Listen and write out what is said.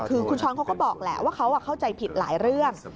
คือคุณช้อนเขาก็บอกแหละว่าเขาเข้าใจผิดหลายเรื่อง